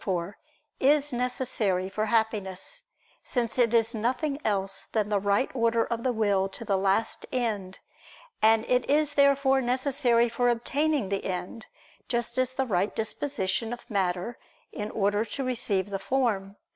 4), is necessary for Happiness; since it is nothing else than the right order of the will to the last end; and it is therefore necessary for obtaining the end, just as the right disposition of matter, in order to receive the form.